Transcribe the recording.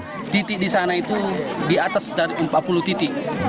karena titik di sana itu di atas dari empat puluh titik